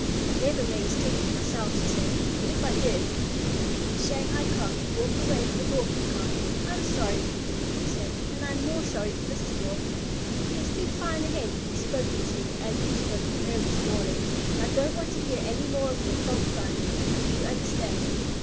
"I never raise Chickens myself," she said, "but if I did " The Shanghai Cock walked away with the Dorking Cock. "I'm sorry for you," he said, "and I am more sorry for Mrs. Dorking. She is too fine a Hen to be spoken to as you spoke to her this morning, and I don't want to hear any more of your fault finding. Do you understand?"